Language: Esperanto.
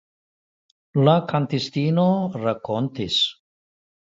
La kantistino rakontis.